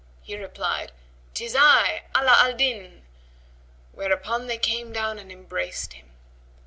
He replied, " 'Tis I! Ala al Din!" whereupon they came down and embraced him.